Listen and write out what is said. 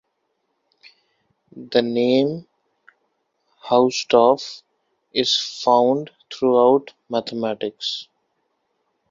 The name Hausdorff is found throughout mathematics.